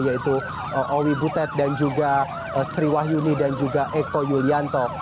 yaitu owi butet dan juga sri wahyuni dan juga eko yulianto